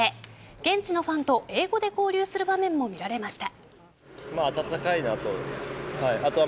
現地のファンと英語で交流する場面も見られました。